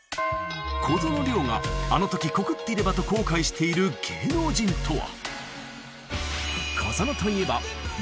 小園凌央があの時告っていればと後悔している芸能人とは？